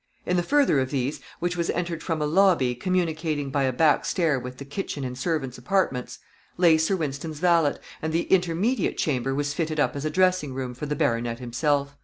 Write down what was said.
In the further of these, which was entered from a lobby, communicating by a back stair with the kitchen and servants' apartments, lay Sir Wynston's valet, and the intermediate chamber was fitted up as a dressing room for the baronet himself.